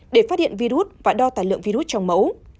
để phát hiện virus và đo tài lượng virus trong mẫu